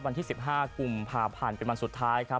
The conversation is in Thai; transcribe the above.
วันที่๑๕กุมภาพันธ์เป็นวันสุดท้ายครับ